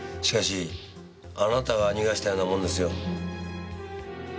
しかしあなたが逃がしたようなもんですよ。